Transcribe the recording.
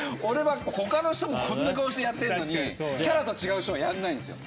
他の人もこんな顔してやってんのにキャラと違う人はやんないんすよ。